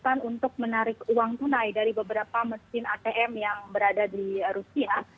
kesulitan untuk menarik uang tunai dari beberapa mesin atm yang berada di rusia